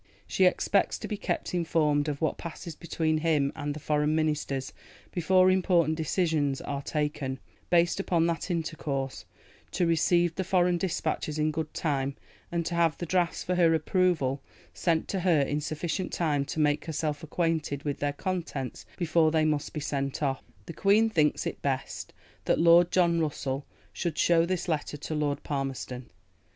She expects to be kept informed of what passes between him and the Foreign Ministers, before important decisions are taken, based upon that intercourse; to receive the Foreign dispatches in good time and to have the drafts for her approval sent to her in sufficient time to make herself acquainted with their contents before they must be sent off. The Queen thinks it best that Lord John Russell should show this letter to Lord Palmerston."